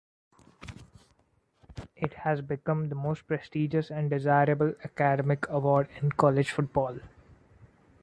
It has become the most prestigious and desirable "academic" award in college football.